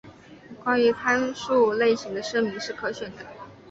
关于参数类型的声明是可选的。